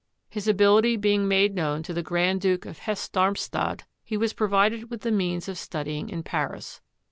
His ability being made known to the Grand Duke of Hesse Darmstadt, he was provided with the means of studying in Paris.